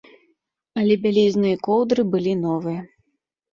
Але бялізна і коўдры былі новыя.